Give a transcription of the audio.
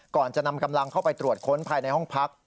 ก่อนจะนำกำลังเข้าไปตรวจค้นภายในห้องพัก